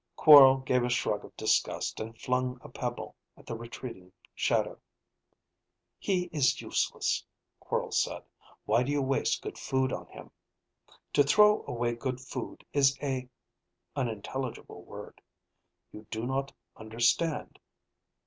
Quorl gave a shrug of disgust and flung a pebble at the retreating shadow. "He is useless," Quorl said. "Why do you waste good food on him? To throw away good food is a ." (Unintelligible word.) "You do not understand